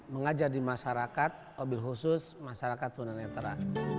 mengajar di masyarakat obil khusus masyarakat tunanetra